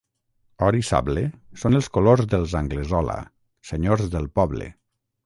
Or i sable són els colors dels Anglesola, senyors del poble.